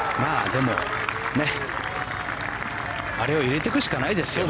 でも、あれを入れていくしかないですよ。